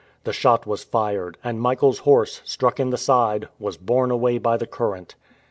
The shot was fired, and Michael's horse, struck in the side, was borne away by the current.